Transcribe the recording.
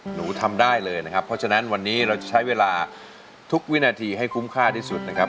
หนูทำได้เลยนะครับเพราะฉะนั้นวันนี้เราจะใช้เวลาทุกวินาทีให้คุ้มค่าที่สุดนะครับ